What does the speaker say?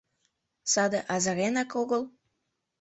— Саде азыренак огыл?..